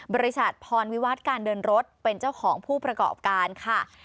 บริษัทพรวิวัตรการเดินรถเป็นเจ้าของผู้ประกอบการค่ะ